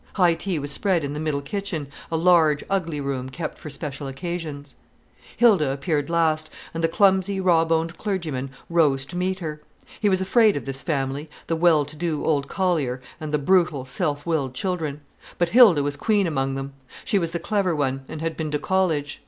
High tea was spread in the middle kitchen, a large, ugly room kept for special occasions. Hilda appeared last, and the clumsy, raw boned clergyman rose to meet her. He was afraid of this family, the well to do old collier, and the brutal, self willed children. But Hilda was queen among them. She was the clever one, and had been to college.